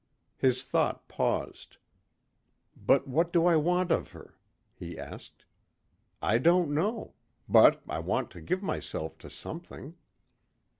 His thought paused. "But what do I want of her?" he asked. "I don't know. But I want to give myself to something."